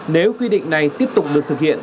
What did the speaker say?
nếu quy định này tiếp tục được thực hiện